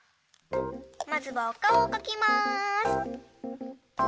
まずはおかおをかきます。